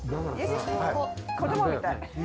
子供みたい。